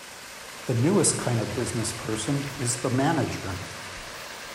The newest kind of businessperson is the manager.